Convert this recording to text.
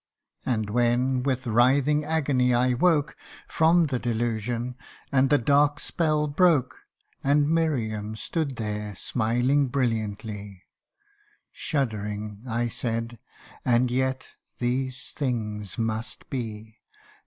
And when with writhing agony I woke From the delusion, and the dark spell broke ; And Miriam stood there, smiling brilliantly, Shuddering, I said, ' And yet these things must be.'